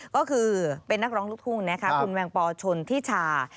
ก็คือเป็นนักร้องลูกทุ่งนะคะคุณแมงปอชนทิชา